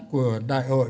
của đại hội